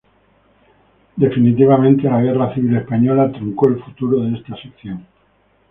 Definitivamente la Guerra Civil española truncó el futuro de esta sección.